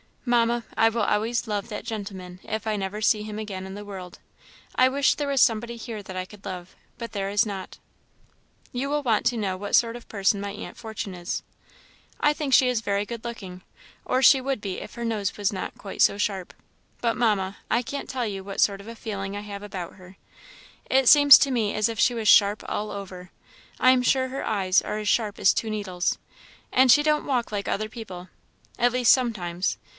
Mamma, I will always love that gentleman, if I never see him again in the world. I wish there was somebody here that I could love, but there is not. You will want to know what sort of a person my aunt Fortune is. I think she is very good looking, or she would be if her nose was not quite so sharp; but, Mamma, I can't tell you what sort of a feeling I have about her; it seems to me as if she was sharp all over. I am sure her eyes are as sharp as two needles. And she don't walk like other people at least, sometimes.